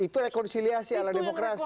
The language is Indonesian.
itu rekonsiliasi ala demokrasi